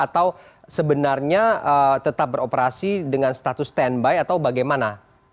atau sebenarnya tetap beroperasi dengan status standby atau bagaimana